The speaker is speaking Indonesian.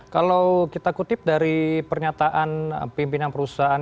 kalau kita kutip dari pernyataan pimpinan perusahaan